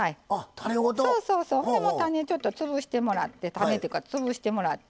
そうそうそう種ちょっと潰してもらって種っていうか潰してもらって。